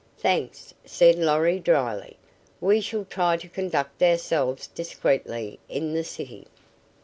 "Thanks," said Lorry, drily. "We shall try to conduct ourselves discreetly in the city."